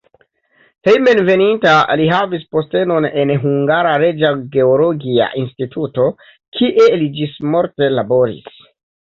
Hejmenveninta li havis postenon en "Hungara Reĝa Geologia Instituto", kie li ĝismorte laboris.